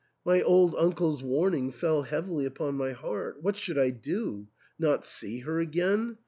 My old uncle's warning fell heavily upon my heart. What should I do ? Not see her again